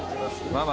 ママ。